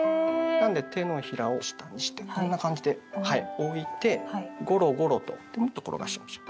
なんで手のひらを下にしてこんな感じで置いてゴロゴロと転がしましょう。